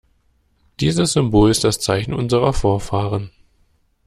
Dieses Symbol ist das Zeichen unserer Vorfahren.